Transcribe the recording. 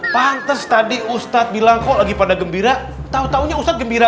pantes tadi ustadz bilang kok lagi pada gembira tahu tahunya ustadz gembira